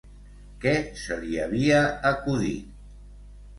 Què se li havia acudit?